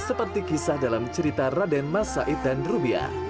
seperti kisah dalam cerita raden masaid dan rubia